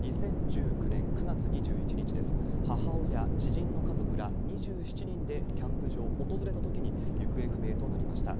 ２０１９年９月２１日です、母親、知人の家族ら２７人でキャンプ場を訪れたときに、行方不明となりました。